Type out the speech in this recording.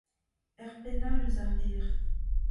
er penn all eus ar gêr